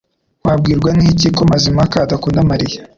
Wabwirwa n'iki ko Mazimpaka adakunda Mariya